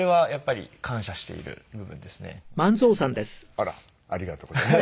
あらありがとうございます。